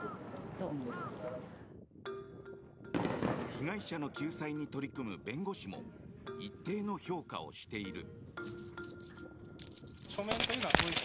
被害者の救済に取り組む弁護士も一定の評価をしている。